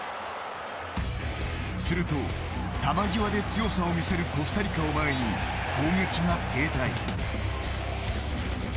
すると、球際で強さを見せるコスタリカを前に攻撃が停滞。